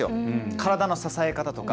体の支え方とか。